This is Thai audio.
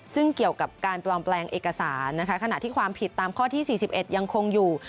ซึ่งเกี่ยวกับการปลอมแปลงเอกสารนะคะขณะที่ความผิดตามข้อที่๔๑ยังคงอยู่